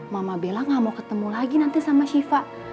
mama bella ga mau ketemu lagi nanti sama syifa